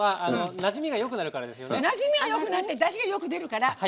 なじみが出てだしがよく出るから。